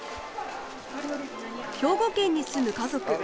兵庫県に住む家族。